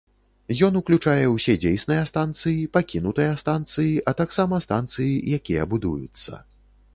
Ён ўключае ўсе дзейсныя станцыі, пакінутыя станцыі, а таксама станцыі, якія будуюцца.